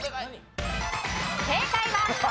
正解は裸。